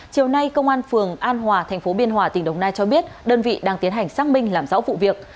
chiều nay công an phường an hòa thành phố biên hòa tỉnh đồng nai cho biết đơn vị đang tiến hành xác minh làm rõ vụ việc